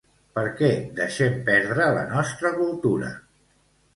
Perquè deixem perdre la nostra cultura?